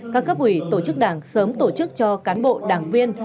các các quỷ tổ chức đảng sớm tổ chức cho cán bộ đảng viên